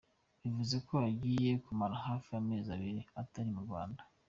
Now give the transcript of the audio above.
Bivuze ko agiye kumara hafi amezi abiri atari mu Rwanda.